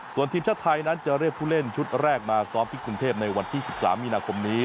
ส่วนทีมชาติไทยนั้นจะเรียกผู้เล่นชุดแรกมาซ้อมที่กรุงเทพในวันที่๑๓มีนาคมนี้